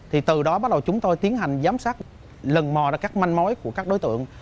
thì từ đó bắt đầu chúng tôi tiến hành giám sát lần mò ra các manh mối của các đối tượng